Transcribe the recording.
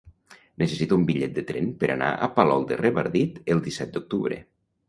Necessito un bitllet de tren per anar a Palol de Revardit el disset d'octubre.